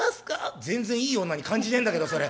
「全然いい女に感じねえんだけどそれ」。